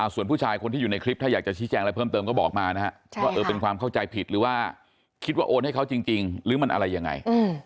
ส่วนผู้ชายคนที่อยู่ในคลิปถ้าอยากจะชี้แจงอะไรเพิ่มเติมก็บอกมานะครับว่าเป็นความเข้าใจผิดหรือว่าคิดว่าโอนให้เขาจริงหรือมันอะไรยังไง